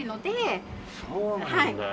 そうなんだよ。